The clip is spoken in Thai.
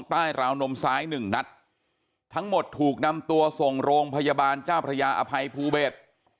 ราวนมซ้ายหนึ่งนัดทั้งหมดถูกนำตัวส่งโรงพยาบาลเจ้าพระยาอภัยภูเบศ